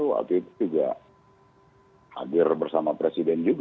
waktu itu juga hadir bersama presiden juga